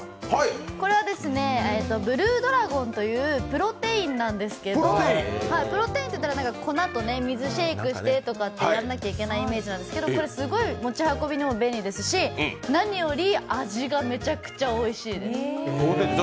これはＢＬＵＥＤＲＡＧＯＮというプロテインなんですけど、プロテインっていったら、粉と水でシェイクしなきゃいけないイメージなんですけど、これ持ち運びにも便利ですし何より、味がめちゃくちゃおいしいです。